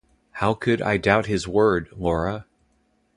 How could I doubt his word, Laura?